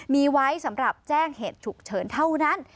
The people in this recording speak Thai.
มีไว้สำหรับแจ้งเหตุฉุกเฉินเท่านั้น